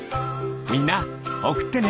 みんなおくってね。